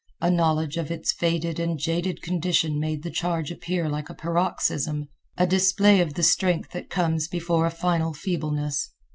A knowledge of its faded and jaded condition made the charge appear like a paroxysm, a display of the strength that comes before a final feebleness.